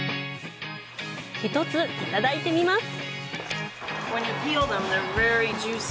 １つ、いただいてみます。